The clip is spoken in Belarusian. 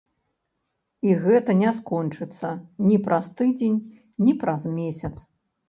І гэта не скончыцца ні праз тыдзень, ні праз месяц.